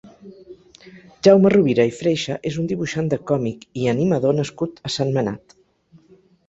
Jaume Rovira i Freixa és un dibuixant de còmic i animador nascut a Sentmenat.